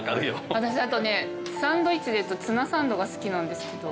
私あとねサンドイッチでいうとツナサンドが好きなんですけど。